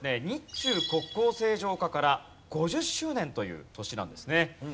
日中国交正常化から５０周年という年なんですね。